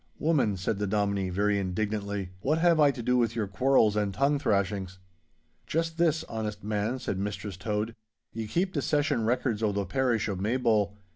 'Woman,' said the Dominie, very indignantly, 'what have I to do with your quarrels and tongue thrashings?' 'Just this, honest man,' said Mistress Tode; 'ye keep the Session records o' the parish o' Maybole.